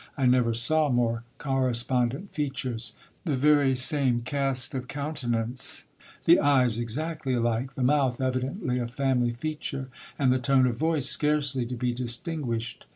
I never saw more correspond ent features ; the very same cast of countenance, the eyes exactly alike, the I mouth evidently a family feature, and the tone of voice scarcely to be distinguish ed.